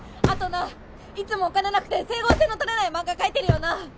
あとないつもお金なくて整合性のとれない漫画描いてるよな！